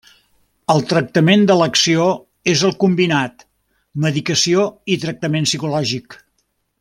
El tractament d'elecció és el combinat, medicació i tractament psicològic.